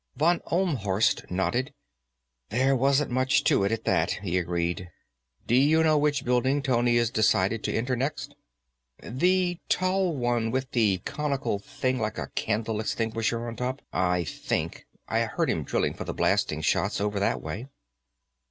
Von Ohlmhorst nodded. "There wasn't much to it, at that," he agreed. "Do you know which building Tony has decided to enter next?" "The tall one with the conical thing like a candle extinguisher on top, I think. I heard him drilling for the blasting shots over that way."